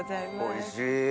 おいしい。